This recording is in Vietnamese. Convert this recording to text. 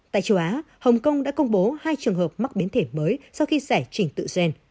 tại châu á hồng kông đã công bố hai trường hợp mắc biến thể mới sau khi giải trình tự gen